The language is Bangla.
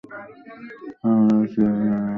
আমার একটি ভালো বিয়ে হবে।